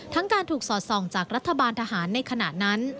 การถูกสอดส่องจากรัฐบาลทหารในขณะนั้น